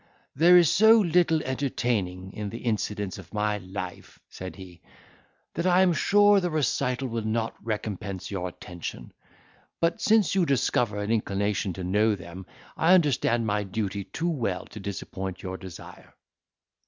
"There is so little entertaining in the incidents of my life," said he, "that I am sure the recital will not recompense your attention; but, since you discover an inclination to know them I understand my duty too well to disappoint your desire.